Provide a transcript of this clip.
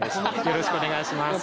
よろしくお願いします